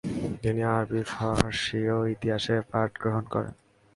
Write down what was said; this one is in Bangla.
তিনি আরবি ফারসি ও ইতিহাসের পাঠগ্রহণ করেন।